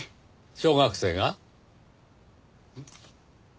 小学生が？